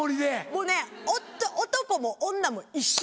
もうね男も女も一緒。